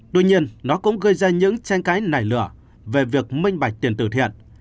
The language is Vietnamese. tuy nhiên nó cũng gây ra những tranh cãi nảy lửa về việc minh bạch tiền tử thiện